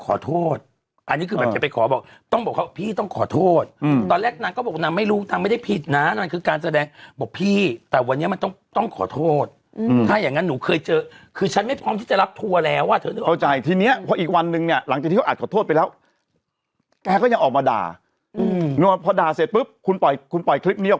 ขอโทษอันนี้คือแบบจะไปขอบอกต้องบอกเขาพี่ต้องขอโทษอืมตอนแรกนางก็บอกนางไม่รู้นางไม่ได้ผิดน่ะนางคือการแสดงบอกพี่แต่วันนี้มันต้องต้องขอโทษอืมถ้าอย่างงั้นหนูเคยเจอคือฉันไม่พร้อมที่จะรับทัวร์แล้วว่าเขาเข้าใจทีเนี้ยพออีกวันหนึ่งเนี้ยหลังจากที่เขาอัดขอโทษไปแล้ว